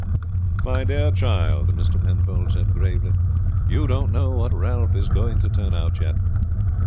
"My dear child," Mr. Penfold said gravely, "you don't know what Ralph is going to turn out yet.